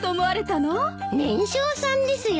年少さんですよ。